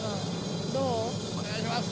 お願いします！